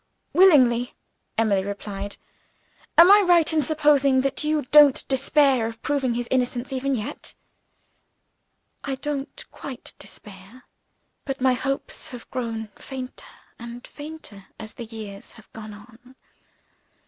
"Willingly!" Emily replied. "Am I right in supposing that you don't despair of proving his innocence, even yet'?" "I don't quite despair. But my hopes have grown fainter and fainter, as the years have gone on.